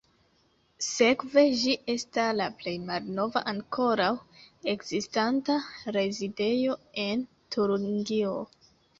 Sekve ĝi esta la plej malnova ankoraŭ ekzistanta rezidejo en Turingio.